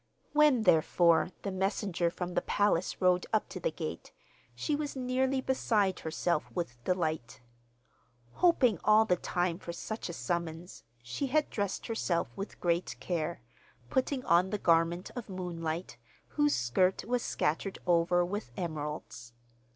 When, therefore, the messenger from the palace rode up to the gate, she was nearly beside herself with delight. Hoping all the time for such a summons, she had dressed herself with great care, putting on the garment of moonlight, whose skirt was scattered over with emeralds.